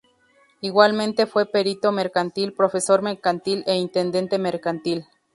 Igualmente fue Perito Mercantil, Profesor Mercantil e Intendente Mercantil.